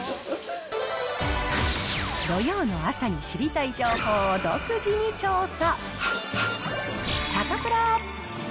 土曜の朝に知りたい情報を独自に調査。